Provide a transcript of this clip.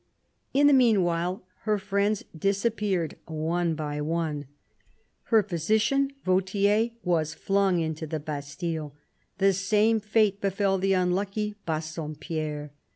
In the meanwhile her friends disappeared one by one. Her physician, Vautier, was flung into the Bastille; the same fate befell the unlucky Bassompierre.